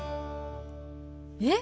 えっ！